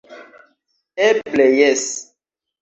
Eble jes!